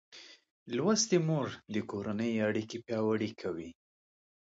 لوستې مور د کورنۍ اړیکې پیاوړې کوي.